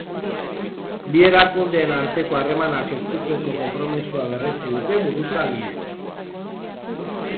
Bi erakundeen arteko harremanak estutzeko konpromisoa berretsi dute buruzagiek.